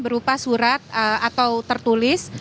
berupa surat atau tertulis